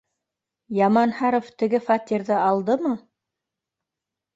— Яманһаров теге фатирҙы алдымы?